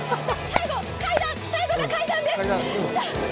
最後が階段です。